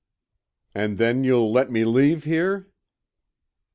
"And then you'll let me leave here?"